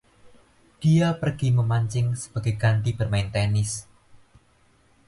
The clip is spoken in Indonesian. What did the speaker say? Dia pergi memancing sebagai ganti bermain tenis.